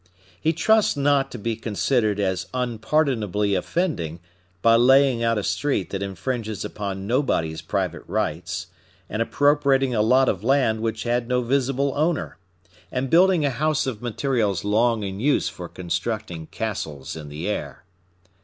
He trusts not to be considered as unpardonably offending by laying out a street that infringes upon nobody's private rights, and appropriating a lot of land which had no visible owner, and building a house of materials long in use for constructing castles in the air.